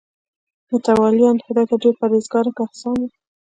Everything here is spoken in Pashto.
متولیان خدای ته ډېر پرهیزګاره کسان وو.